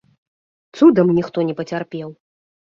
Цудам ніхто не пацярпеў.